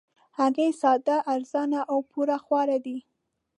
هګۍ ساده، ارزانه او پوره خواړه دي